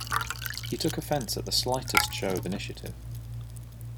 He took offence at the slightest show of initiative.